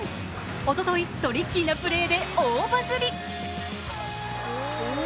おとといトリッキーなプレーで大バズり。